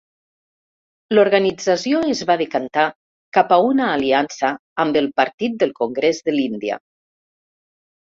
L'organització es va decantar cap a una aliança amb el Partit del Congrés de l'Índia.